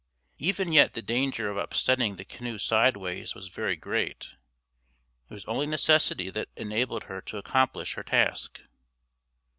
Even yet the danger of upsetting the canoe sideways was very great. It was only necessity that enabled her to accomplish her task.